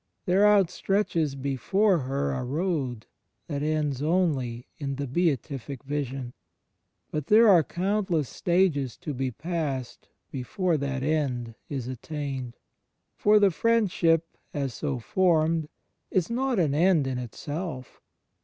There outstretches before her a road that ends only in the Beatific Vision; but there are countless stages to be passed before that end is attained. For the Friendship, as so formed, is not an end in itself.